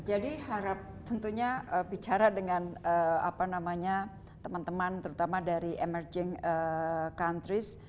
jadi harap tentunya bicara dengan teman teman terutama dari emerging countries